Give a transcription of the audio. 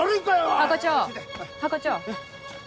ハコ長ハコ長。